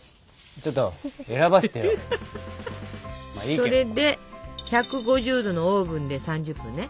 それで１５０℃のオーブンで３０分ね。